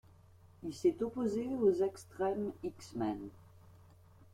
Il s'est opposé aux X-Treme X-Men.